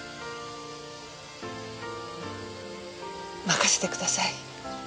任せてください。